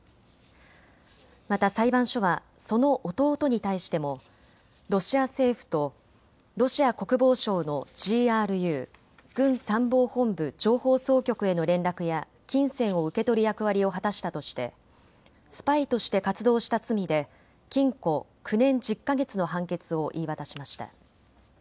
また、裁判所はその弟に対してもロシア政府とロシア国防省のＧＲＵ・軍参謀本部情報総局への連絡や金銭を受け取る役割を果たしたとしてスパイとして活動した罪で禁錮９年１０か月の判決を言い渡しました。